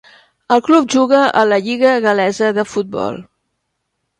El club juga a la lliga gal·lesa de futbol.